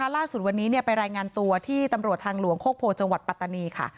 ล่าสุดวันนี้ไปรายงานตัวที่ตำรวจทางหลวงโคกโพจังหวัดปัตตานีค่ะ